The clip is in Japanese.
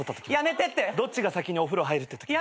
どっちが先にお風呂入るってときも。